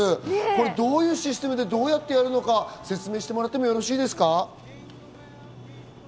どういうシステムでどうやってやるのか説明してもらってもよろしいですか？